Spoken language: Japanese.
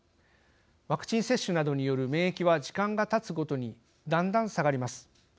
ワクチン接種などによる免疫は時間がたつごとにだんだん下がります。